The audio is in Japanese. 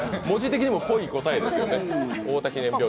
文字的にもぽい答えですよね。